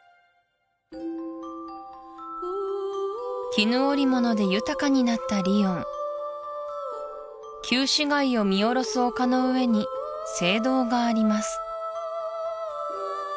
絹織物で豊かになったリヨン旧市街を見下ろす丘の上に聖堂があります